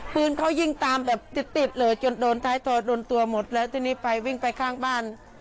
ปืนเขายิงตามแบบติดติดเลยจนโดนท้ายถอยโดนตัวหมดแล้วทีนี้ไปวิ่งไปข้างบ้าน